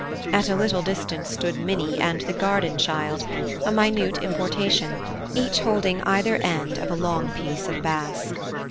At a little distance stood Minnie and the "garden child," a minute importation, each holding either end of a long piece of bass.